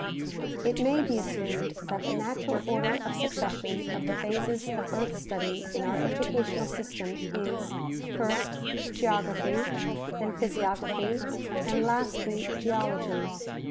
* It may be assumed that the natural order of succession of the phases of earth study in our educational system is — first, geography, then physiography, and lastly, geology.